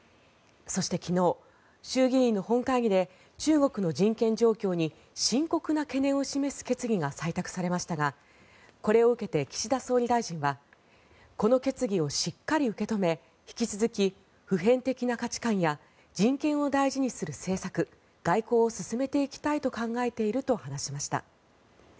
そして昨日、衆議院の本会議で中国の人権状況に深刻な懸念を示す決議が採択されましたがこれを受けて岸田総理大臣はこの決議をしっかり受け止め引き続き普遍的な価値観や人権を大事にする政策外交を進めていきたいと考えていると話しました。